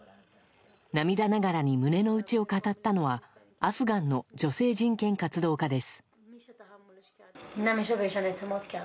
涙ながらに胸の内を語ったのはアフガンの女性人権活動家です。